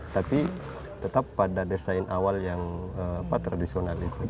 tapi tetap pada desain awal yang tradisional itu